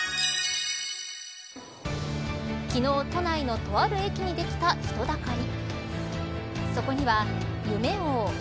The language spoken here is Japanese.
昨日、都内のとある駅にできた人だかり。